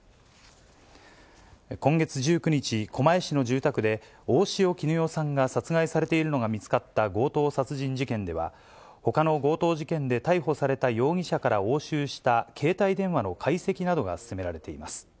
今月１９日、狛江市の住宅で、大塩衣与さんが殺害されているのが見つかった強盗殺人事件では、ほかの強盗事件で逮捕された容疑者から押収した携帯電話の解析などが進められています。